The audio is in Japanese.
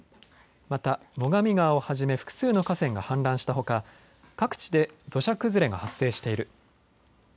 また最上川をはじめ複数の河川が氾濫したほか各地で土砂崩れが発生している。